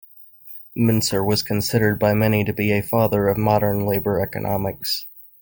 Mincer was considered by many to be a father of modern labor economics.